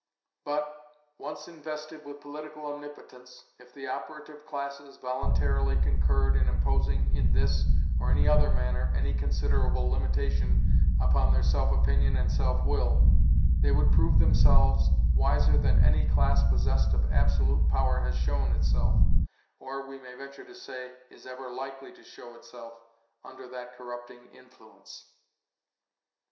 But, once invested with political omnipotence, if the operative classes voluntarily concurred in imposing in this or any other manner any considerable limitation upon their self opinion and self will, they would prove themselves wiser than any class possessed of absolute power has shown itself, or, we may venture to say, is ever likely to show itself under that corrupting influence.